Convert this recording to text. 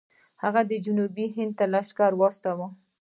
هغه جنوبي هند ته لښکر واستوه.